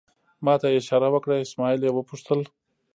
ما ته یې اشاره وکړه، اسمعیل یې وپوښتل.